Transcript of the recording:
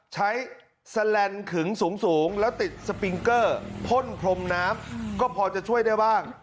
สแลนด์ขึงสูงแล้วติดสปิงเกอร์พ่นพรมน้ำก็พอจะช่วยได้บ้าง